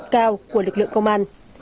cao của lực lượng công an